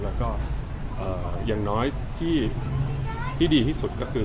แล้วก็อย่างน้อยที่ดีที่สุดก็คือ